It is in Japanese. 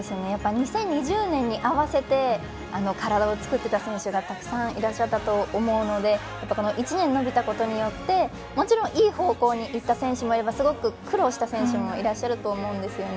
２０２０年に合わせて体を作ってた選手がたくさんいらっしゃったと思うので１年延びたことによってもちろんいい方向にいった選手もいればすごく苦労した選手もいらっしゃると思うんですよね。